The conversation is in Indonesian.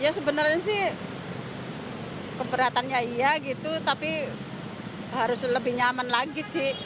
ya sebenarnya sih keberatannya iya gitu tapi harus lebih nyaman lagi sih